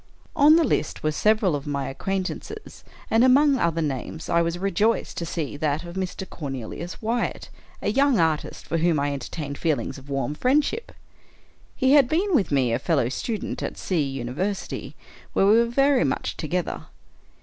On the list were several of my acquaintances; and among other names, I was rejoiced to see that of Mr. Cornelius Wyatt, a young artist, for whom I entertained feelings of warm friendship. He had been with me a fellow student at C University, where we were very much together.